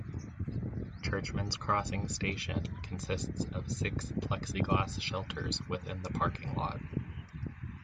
Churchmans Crossing station consists of six plexiglass shelters within the parking lot.